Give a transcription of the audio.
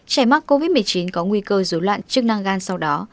trẻ mắc covid một mươi chín có nguy cơ dối loạn chức năng gan sau đó